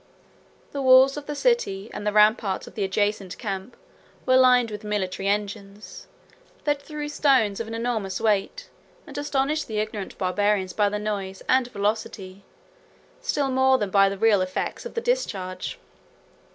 The walls of the city, and the ramparts of the adjacent camp, were lined with military engines, that threw stones of an enormous weight; and astonished the ignorant Barbarians by the noise, and velocity, still more than by the real effects, of the discharge.